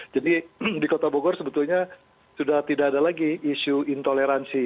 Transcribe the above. jadi di kota bogor sebetulnya sudah tidak ada lagi isu intoleransi